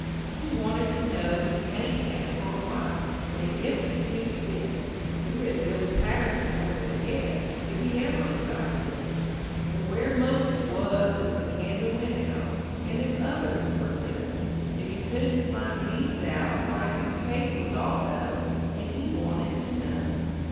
He wanted to know who Cain had for a wife, An' if the two fit; Who hit Billy Patterson over the head, If he ever got hit; An' where Moses wuz w'en the candle went out, An' if others were lit; If he couldn' fin' these out, w'y his cake wuz all dough, An' he wanted to know.